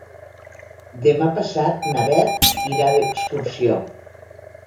Demà passat na Bet irà d'excursió.